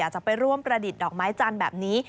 จะไปร่วมประดิษฐ์ดอกไม้จันทร์แบบนี้